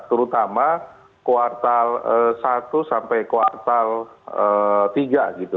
terutama kuartal satu sampai kuartal tiga gitu